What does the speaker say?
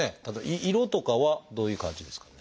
色とかはどういう感じですかね？